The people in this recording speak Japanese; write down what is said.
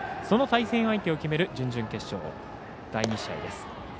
その対戦相手を決める準々決勝、第２試合です。